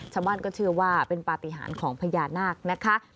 ชาวบ้านก็เชื่อว่าเป็นปฏิหารของพญานาคนะคะ